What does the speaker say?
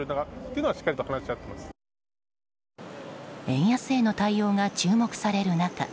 円安への対応が注目される中